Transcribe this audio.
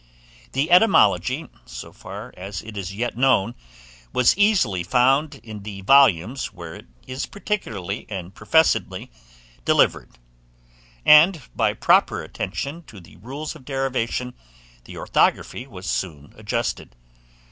The etymology, so far as it is yet known, was easily found in the volumes where it is particularly and professedly delivered; and, by proper attention to the rules of derivation, the orthography was soon adjusted.